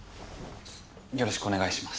よろしくお願いします。